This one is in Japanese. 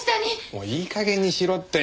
もういい加減にしろって。